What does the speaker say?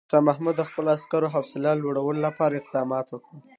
شاه محمود د خپلو عسکرو حوصله لوړولو لپاره اقدامات وکړل.